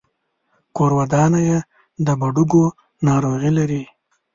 کورودانه يې د بډوګو ناروغي لري.